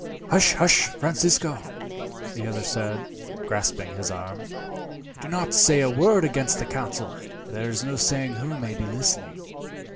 "Hush! hush! Francisco," the other said, grasping his arm. "Do not say a word against the council. There is no saying who may be listening."